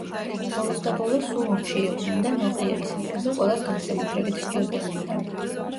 ბოლოსდაბოლოს, სულ ომში იყვნენ და ნოყიერი საკვები ყველას განსაკუთრებით სჭირდებოდა.